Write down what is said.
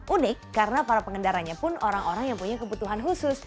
unik karena para pengendaranya pun orang orang yang punya kebutuhan khusus